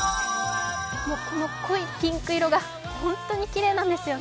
濃いピンク色が本当にきれいなんですよね。